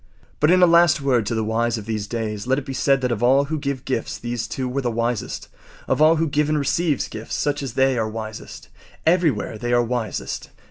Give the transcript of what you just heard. But in a last word to the wise of these days let it be said that of all who give gifts these two were the wisest. Of all who give and receive gifts, such as they are wisest. Everywhere they are wisest.